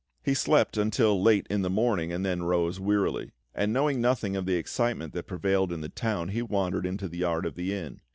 He slept until late in the morning, and then arose wearily; and knowing nothing of the excitement that prevailed in the town, he wandered into the yard of the inn.